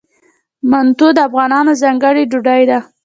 منتو د افغانانو ځانګړې ډوډۍ ده.